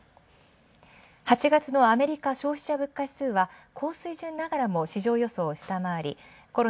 ８月のアメリカ消費者物価指数は高水準ながらも市場予想を下回り